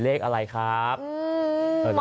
เลขอะไรครับมองไม่เห็นเนอะ